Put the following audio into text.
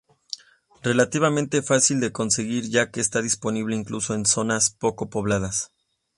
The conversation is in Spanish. Relativamente fácil de conseguir, ya que está disponible incluso en zonas poco pobladas.